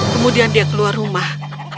kemudian dia keluar rumah